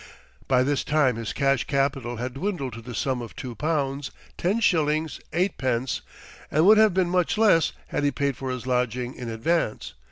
By this time his cash capital had dwindled to the sum of two pounds, ten shillings, eight pence, and would have been much less had he paid for his lodging in advance.